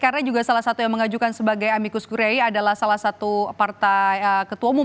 karena juga salah satu yang mengajukan sebagai amicus curiae adalah salah satu partai ketua umum